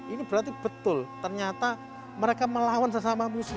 ini berarti betul ternyata mereka melawan sesama muslim